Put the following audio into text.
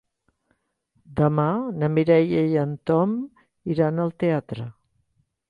Demà na Mireia i en Tom iran al teatre.